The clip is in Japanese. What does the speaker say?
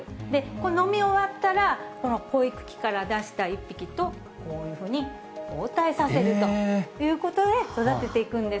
飲み終わったら、この保育器から出した１匹と、こういうふうに交代させるということで、育てていくんです。